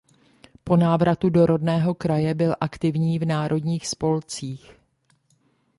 Po návratu do rodného kraje byl aktivní v národních spolcích.